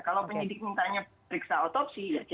kalau penyidik minta periksa otopsi ya kita otopsi